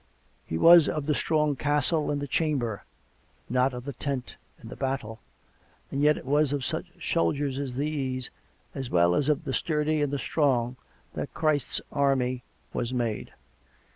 He was of the strong castle and the chamber, not of the tent and the battle. ... And yet it was of such soldiers as these, as well as of the sturdy and the strong, that Christ's army was made.